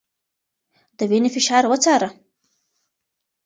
د وينې فشار وڅاره